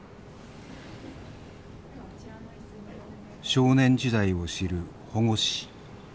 少年時代を知る保護司。